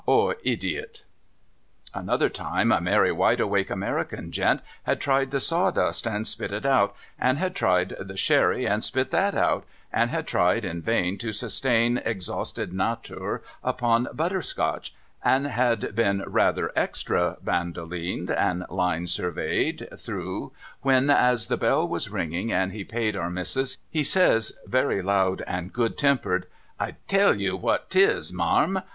Or idiot ?' Another time, a merry, wideawake American gent had tried the sawdust and spit it out, and had tried the Sherry and spit that out, and had tried in vain to sustain exhausted natur upon Butter Scotch, and had been rather extra Bandolined and Line surveyed through, when, as the bell was ringing and he paid Our Missis, he says, very loud and good tempered: 'I tell Yew what 'tis, ma'arm.